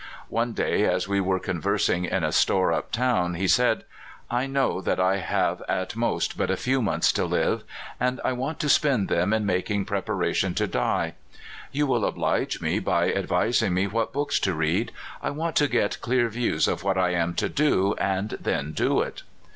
One day, as we were conversing in a store up town, he said: *' I know that I have at most but a few months to Hve, and I want to spend them in making preparation to die. You will oblige me by advising me what books to read. I want to get clear views of what I am to do, and then do it."